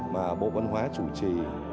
mà bộ văn hóa chủ trì